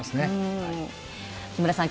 木村さん